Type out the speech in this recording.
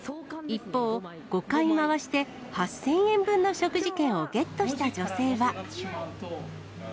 一方、５回回して、８０００円分の食事券をゲットした女性は。